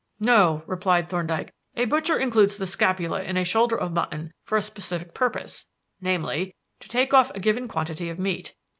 "No," replied Thorndyke. "A butcher includes the scapula in a shoulder of mutton for a specific purpose, namely, to take off a given quantity of meat.